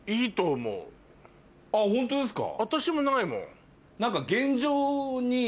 あっホントですか？